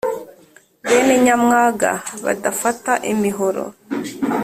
Bene nyamwaga badafata imihoro